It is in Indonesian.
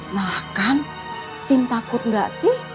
nah kan tim takut nggak sih